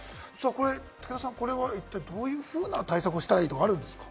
武田さん、これはどういうふうな対策をしたらいいとか、あるんですか？